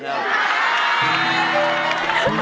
เค้ามาสาบหน่อยค่ะ